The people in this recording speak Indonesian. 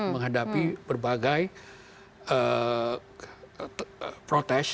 menghadapi berbagai protes